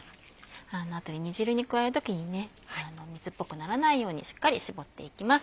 あとで煮汁に加える時に水っぽくならないようにしっかり絞っていきます。